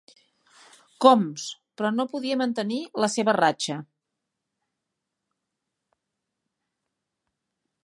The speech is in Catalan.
Combs, però, no podia mantenir la seva ratxa.